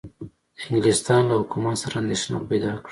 انګلستان له حکومت سره اندېښنه پیدا کړه.